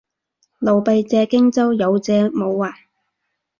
劉備借荊州，有借冇還